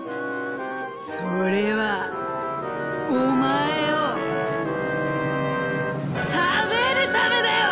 「それはおまえをたべるためだよ！